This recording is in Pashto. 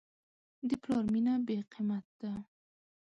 د پلار مینه بېقیمت ده.